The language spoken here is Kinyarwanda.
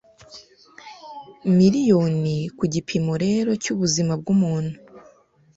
miriyoniKu gipimo rero cyubuzima bwumuntu